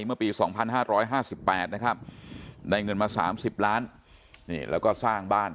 เมื่อปีสองพันห้าร้อยห้าสิบแปดนะครับได้เงินมาสามสิบล้านนี่แล้วก็สร้างบ้าน